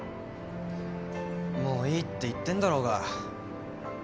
もういいって言ってんだろうが。